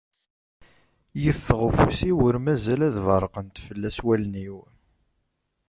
Yeffeɣ afus-iw, ur mazal ad berqent fell-as wallen-iw.